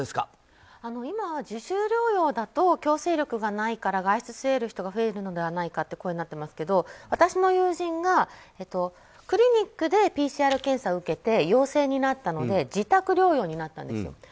今、自主療養だと強制力がないから外出する人が増えるのではないかという声になっていますけど私の友人がクリニックでＰＣＲ検査を受けて陽性になったので自宅療養になったんですよ。